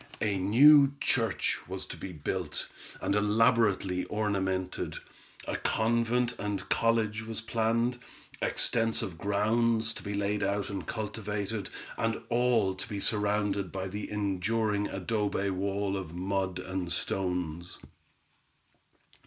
A new church was to be built, and elaborately ornamented; a convent and college was planned; extensive grounds to be laid out and cultivated, and all to be surrounded by the enduring adobe wall of mud and stones.